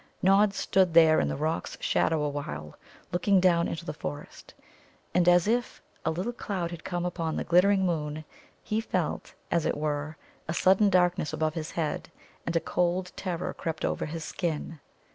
Nod stood there in the rock's shadow awhile, looking down into the forest. And as if a little cloud had come upon the glittering moon, he felt, as it were, a sudden darkness above his head, and a cold terror crept over his skin.